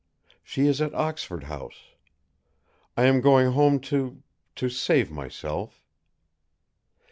She is at Oxford House. I am going home to to save myself."